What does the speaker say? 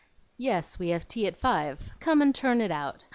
"Yes, we have tea at five; come and turn it out.